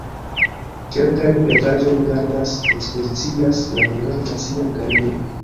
Kelkajn pentraĵojn gardas, ekspozicias la Hungara Nacia Galerio.